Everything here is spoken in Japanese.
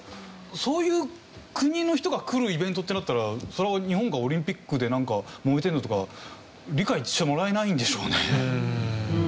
そういう国の人が来るイベントってなったら日本がオリンピックでなんかもめてるのとか理解してもらえないんでしょうね。